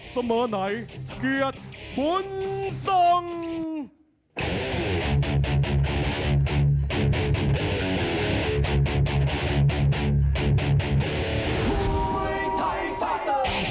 เสมอไหนเกียรติบุญทรง